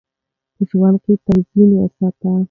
په ژوند کې توازن وساتئ.